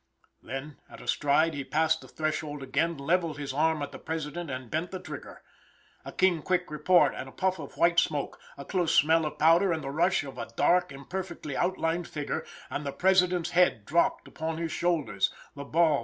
Then, at a stride, he passed the threshold again, levelled his arm at the President and bent the trigger. A keen quick report and a puff of white smoke, a close smell of powder and the rush of a dark, imperfectly outlined figure, and the President's head dropped upon his shoulders: the ball was in his brain.